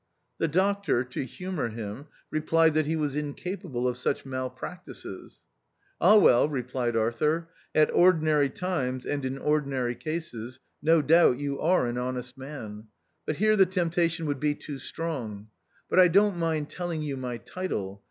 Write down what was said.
The Doctor, to humour him, replied that he was incapable of such malpractices. " Ah, well !" replied Arthur, " at ordinary times, and in ordinary cases, no doubt you are an honest man ; but here the temptation would be too strong. But I don't mind telling you my title.